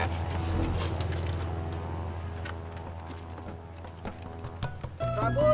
beng gue ini an distance